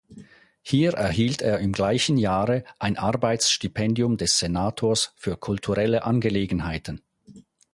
Hier erhielt er im gleichen Jahre ein Arbeitsstipendium des Senators für Kulturelle Angelegenheiten.